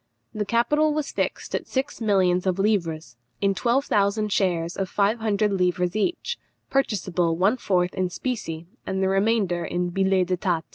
The capital was fixed at six millions of livres, in twelve thousand shares of five hundred livres each, purchasable one fourth in specie, and the remainder in billets d'état.